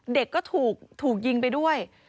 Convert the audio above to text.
เด็กก็ถูกยิงไปด้วย